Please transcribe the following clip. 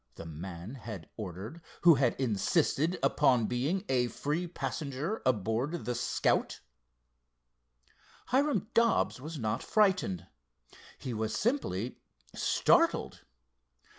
the man had ordered who had insisted upon being a free passenger aboard the Scout. Hiram Dobbs was not frightened. He was simply startled.